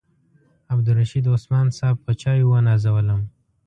عبدالرشید عثمان صاحب په چایو ونازولم.